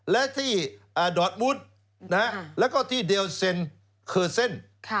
แล้วที่ดอร์ตมูตแล้วก็ที่เดลเซ็นเคอร์เซ็น